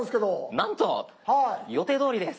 なんと！予定どおりです。